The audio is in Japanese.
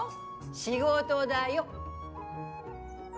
仕事だよ。